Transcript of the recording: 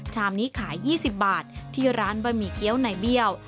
ชามนี้ขาย๒๐บาทที่ร้านบะหมี่เกี้ยวในเบี้ยว